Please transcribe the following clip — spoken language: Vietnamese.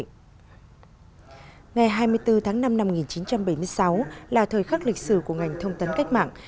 ngày hai mươi bốn tháng năm năm một nghìn chín trăm bảy mươi sáu là thời khắc lịch sử của ngành thông tấn cách mạng